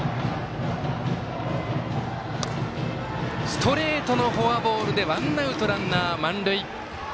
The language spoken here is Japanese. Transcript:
ストレートのフォアボールでワンアウト、ランナー、満塁。